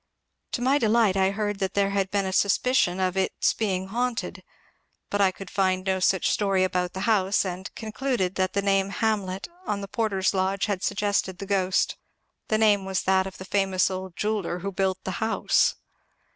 To my delight I heard 368 MONCURE DANIEL OONWAT that there had been a Bospicioii of its being haonted ; bat I could find no such story about the house, and concluded that the name *' Hamlet " on the porter's lodge had suggested the ghost. The name was that of the famous old jeweller who built the house.